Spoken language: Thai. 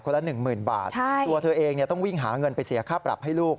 ละหนึ่งหมื่นบาทตัวเธอเองต้องวิ่งหาเงินไปเสียค่าปรับให้ลูก